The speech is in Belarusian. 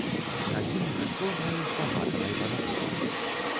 Адзін з чорнай ускалмачанай барадою.